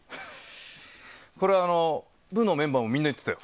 これは、部のメンバーもえ？